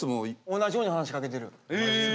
同じように話しかけてる。